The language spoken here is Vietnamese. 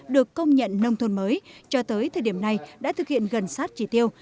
được công nhận nông thôn mới cho tới thời điểm này đã thực hiện gần sát chỉ tiêu